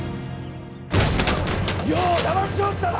余をだましおったな！